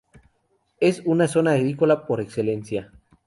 Es una zona agrícola por excelencia.